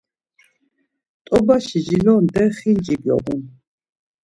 T̆obaşi jilonde xinci gyobun.